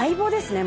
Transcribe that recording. もう。